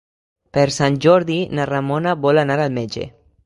Per Sant Jordi na Ramona vol anar al metge.